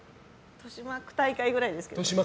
豊島区大会ぐらいですけど。